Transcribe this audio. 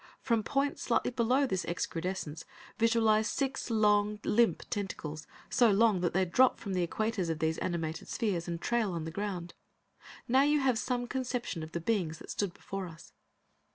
From points slightly below this excrudescence, visualize six long, limp tentacles, so long that they drop from the equators of these animated spheres, and trail on the ground. Now you have some conception of the beings that stood before us.